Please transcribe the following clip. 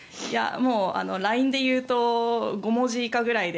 ＬＩＮＥでいうと５文字以下くらいで。